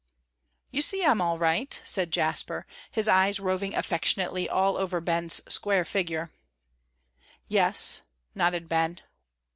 "You see I'm all right," said Jasper, his eyes roving affectionately all over Ben's square figure. "Yes," nodded Ben.